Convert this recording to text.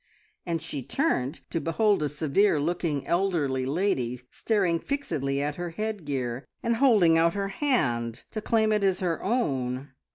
and she turned to behold a severe looking, elderly lady staring fixedly at her headgear, and holding out her hand to claim it as her own.